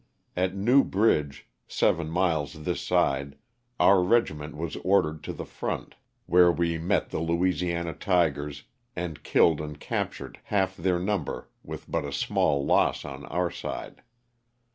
At New Bridge, seven miles this side, our regiment was ordered to the front, where we 336 LOSS OF THE SULTANA. met the ^^ Louisiana Tigers" and killed and captured half their number with but a small loss on our side.